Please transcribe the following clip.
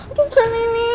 aduh gede banget nih